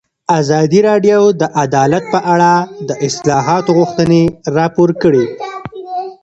ازادي راډیو د عدالت په اړه د اصلاحاتو غوښتنې راپور کړې.